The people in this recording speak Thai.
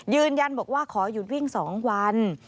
ยืนยันบอกว่าขอหยุดวิ่ง๒วัน